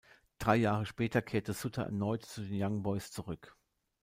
Drei Jahre später kehrte Sutter erneut zu den Young Boys zurück.